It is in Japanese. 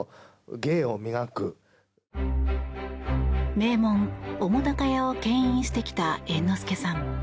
名門・澤瀉屋を牽引してきた猿之助さん。